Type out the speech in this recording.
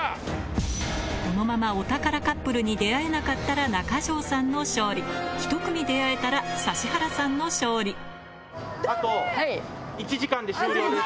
このままお宝カップルに出会えなかったら中条さんの勝利ひと組出会えたら指原さんの勝利ダメ！